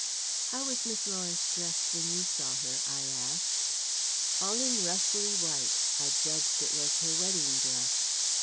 "How was Miss Lawrence dressed when you saw her?" I asked. "All in rustly white. I judged it was her wedding dress."